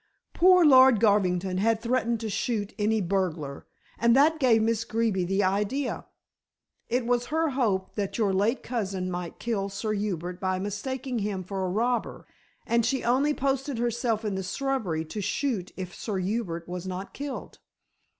Poor Lord Garvington had threatened to shoot any burglar, and that gave Miss Greeby the idea. It was her hope that your late cousin might kill Sir Hubert by mistaking him for a robber, and she only posted herself in the shrubbery to shoot if Sir Hubert was not killed.